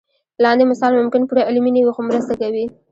لاندې مثال ممکن پوره علمي نه وي خو مرسته کوي.